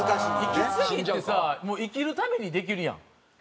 息継ぎってさもう生きるためにできるやん。